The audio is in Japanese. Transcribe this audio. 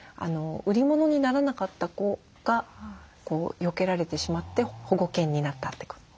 売り物にならなかった子がよけられてしまって保護犬になったって子ですね。